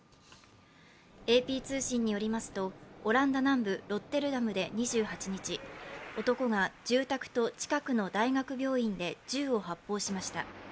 ＡＰ通信によりますと、オランダ南部ロッテルダムで２８日男が住宅と近くの大学病院で銃を発砲しました。